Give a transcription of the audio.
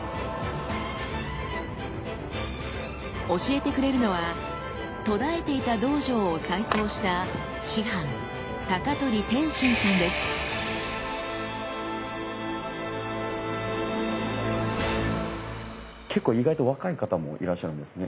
教えてくれるのは途絶えていた道場を再興した結構意外と若い方もいらっしゃるんですね。